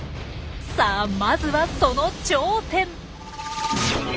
さあまずはその頂点！